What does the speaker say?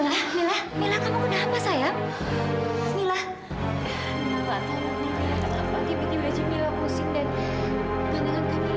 mama tahu mila tak akan pakai peti wajah mila pusing dan pandangan kamila buruk ma